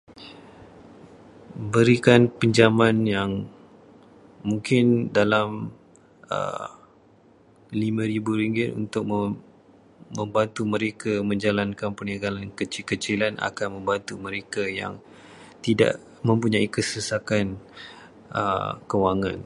Berikan pinjaman yang, mungkin dalam lima ribu ringgit untuk membantu mereka menjalankan perniagaan kecil-kecilan akan membantu mereka yang tidak mempunyai kesesakan kewangan.